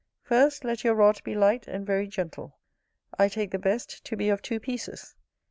First, let your rod be light, and very gentle: I take the best to be of two pieces.